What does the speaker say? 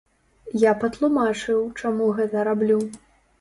Я патлумачыў, чаму гэта раблю.